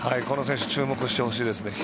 この選手、注目してほしいです。